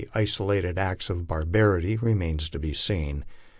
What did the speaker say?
or in isolated acts of barbarity remains to be seen.